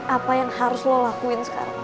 apa yang harus lo lakuin sekarang